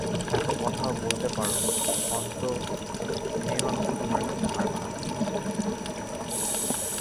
এত কথাও বলতে পার, অন্তু, মেয়েমানুষও তোমার কাছে হার মানে।